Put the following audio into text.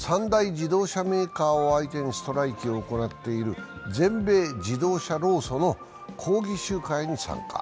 自動車メーカー相手にストライキを行っている、全米自動車労組の抗議集会に参加。